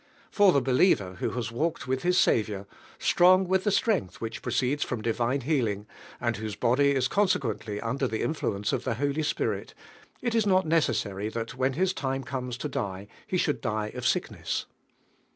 For the believer who has walked 82 MVItfB HEALIFG. with his Saviour^ strong with the strength which proceeds (roan divine healing., and whose body is consequently under the influence of the Holy Spirit, it is not necessary that when his time comes to die, he should (fit 1 of sickness.